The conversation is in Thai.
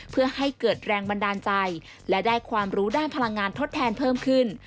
เพื่อให้เกิดแรงบันดาลใจและได้ความรู้ด้านพลังงานทดแทนเพิ่มขึ้น